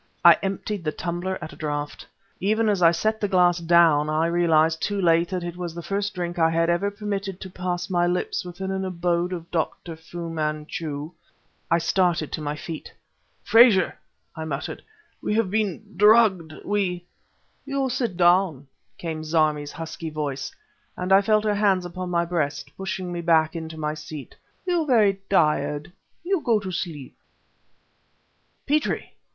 I emptied the tumbler at a draught. Even as I set the glass down I realized, too late, that it was the first drink I had ever permitted to pass my lips within an abode of Dr. Fu Manchu.... I started to my feet. "Frazer!" I muttered "we've been drugged! we ..." "You sit down," came Zarmi's husky voice, and I felt her hands upon my breast, pushing me back into my seat. "You very tired ... you go to sleep...." "Petrie!